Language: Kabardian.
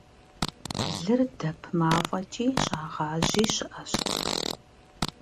Лыр дэп мафӀэкӀи щагъажьи щыӀэщ.